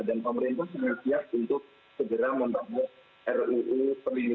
dan pemerintah sangat siap untuk segera membahas ruu perlindungan data tersebut